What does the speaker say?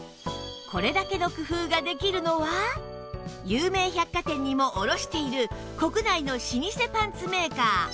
これだけの工夫ができるのは有名百貨店にも卸している国内の老舗パンツメーカー